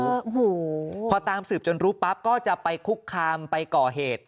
โอ้โหพอตามสืบจนรู้ปั๊บก็จะไปคุกคามไปก่อเหตุ